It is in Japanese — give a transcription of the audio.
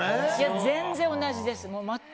全然同じです。